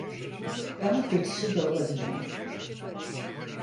Daha kötüsü de olabilirdi.